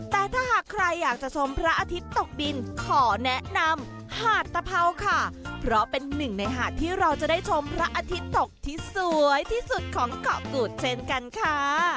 แต่ถ้าหากใครอยากจะชมพระอาทิตย์ตกดินขอแนะนำหาดตะเผาค่ะเพราะเป็นหนึ่งในหาดที่เราจะได้ชมพระอาทิตย์ตกที่สวยที่สุดของเกาะกูดเช่นกันค่ะ